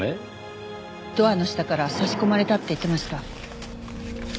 ドアの下から差し込まれたって言ってました。